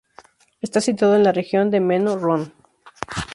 Está situado en la región de Meno-Rhön.